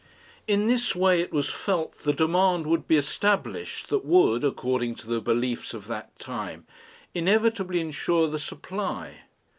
In this way it was felt the Demand would be established that would, according to the beliefs of that time, inevitably ensure the Supply.